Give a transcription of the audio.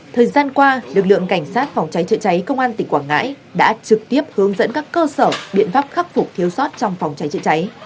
thời gian qua lực lượng cảnh sát phòng cháy chữa cháy công an tỉnh quảng ngãi đã trực tiếp hướng dẫn các cơ sở biện pháp khắc phục thiếu sót trong phòng cháy chữa cháy